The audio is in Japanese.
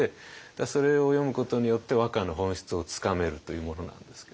それを読むことによって和歌の本質をつかめるというものなんですけど。